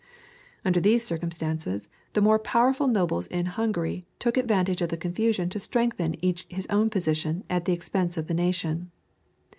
Under these circumstances the more powerful nobles in Hungary took advantage of the confusion to strengthen each his own position at the expense of the nation.